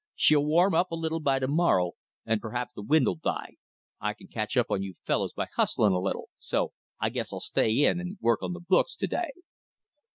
She'll warm up a little by to morrow, and perhaps the wind'll die. I can catch up on you fellows by hustling a little, so I guess I'll stay in and work on the books to day."